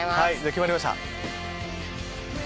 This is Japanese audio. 決まりました。